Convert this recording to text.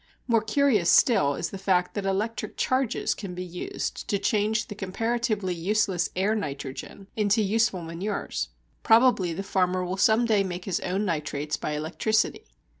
More curious still is the fact that electric charges can be used to change the comparatively useless air nitrogen into useful manures. Probably the farmer will some day make his own nitrates by electricity.